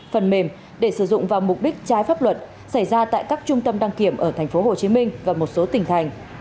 phần mềm để sử dụng vào mục đích trái pháp luật xảy ra tại các trung tâm đăng kiểm ở tp hcm và một số tỉnh thành